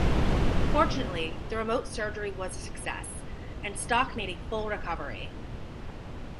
Fortunately, the remote surgery was a success, and Stock made a full recovery.